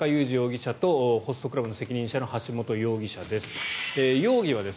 田中裕志容疑者とホストクラブの責任者の橋本容疑者です。